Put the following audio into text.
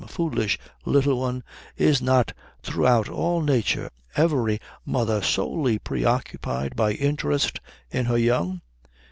"Foolish Little One, is not throughout all nature every mother solely preoccupied by interest in her young?"